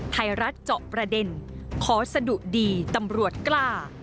ไทยรัฐเจาะประเด็นขอสะดุดีตำรวจกล้า